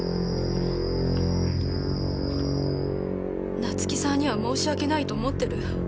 夏生さんには申し訳ないと思ってる。